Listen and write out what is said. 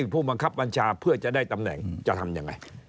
ผู้บังคับบัญชาเพื่อจะได้ตำแหน่งจะทำยังไง